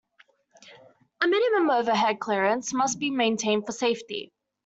A minimum overhead clearance must be maintained for safety.